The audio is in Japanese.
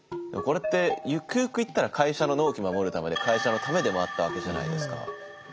これってゆくゆくいったら会社の納期守るためで会社のためでもあったわけじゃないですか。